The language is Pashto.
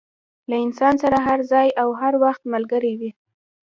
له انسان سره هر ځای او هر وخت ملګری وي.